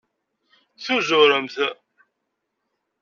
Tuzuremt.